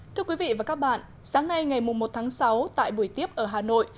thưa quý vị và các bạn sáng nay ngày một tháng sáu tại buổi tiếp ở hà nội